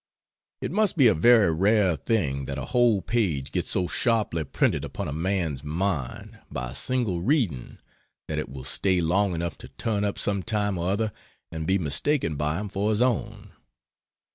It must be a very rare thing that a whole page gets so sharply printed upon a man's mind, by a single reading, that it will stay long enough to turn up some time or other and be mistaken by him for his own.